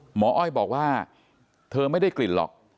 อ้อยบอกว่าเธอไม่ได้กลิ่นหรอก